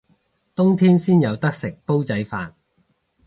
冬天先有得食煲仔飯